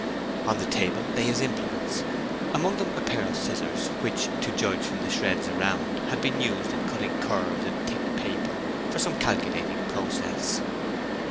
On the table lay his implements; among them a pair of scissors, which, to judge from the shreds around, had been used in cutting curves in thick paper for some calculating process.